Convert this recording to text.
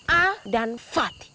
a dan fatih